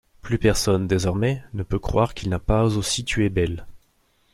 Plus personne, désormais, ne peut croire qu'il n'a pas aussi tué Belle.